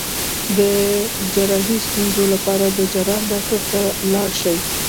د جراحي ستونزو لپاره د جراح ډاکټر ته لاړ شئ